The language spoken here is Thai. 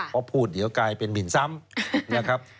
เพราะพูดเดี๋ยวกลายเป็นหมินซ้ำนะครับ